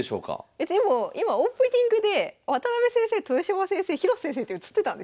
えでも今オープニングで渡辺先生豊島先生広瀬先生って映ってたんですよ。